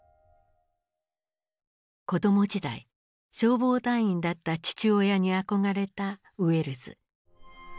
子ども時代消防団員だった父親に憧れたウェルズ。